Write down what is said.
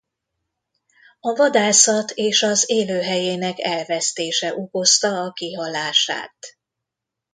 A vadászat és az élőhelyének elvesztése okozta a kihalását.